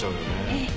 ええ。